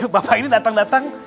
bapak ini datang datang